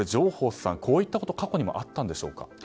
こういったことは過去にもあったんでしょうか。